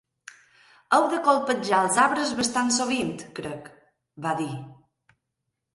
"Heu de colpejar els arbres bastant sovint, crec," va dir.